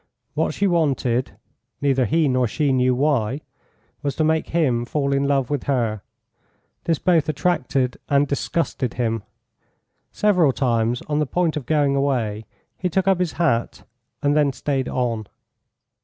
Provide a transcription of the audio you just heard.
What she wanted neither he nor she knew why was to make him fall in love with her. This both attracted and disgusted him. Several times, on the point of going away, he took up his hat, and then stayed on.